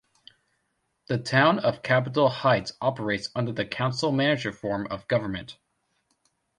The Town of Capitol Heights operates under the council-manager form of government.